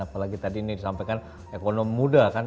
apalagi tadi ini disampaikan ekonom muda kan